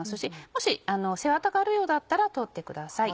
もし背ワタがあるようだったら取ってください。